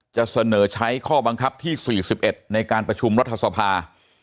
จะเสนอใช้ข้อบังคับที่๔๑ในการประชุมรัฐสภา